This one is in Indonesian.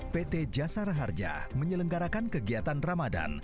pt jasara harja menyelenggarakan kegiatan ramadan